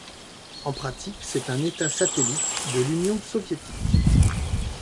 En pratique, c'est un État satellite de l'Union soviétique.